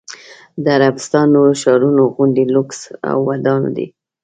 د عربستان نورو ښارونو غوندې لوکس او ودان دی.